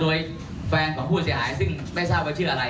โดยแฟนของผู้เสียหายซึ่งไม่ทราบว่าชื่ออะไร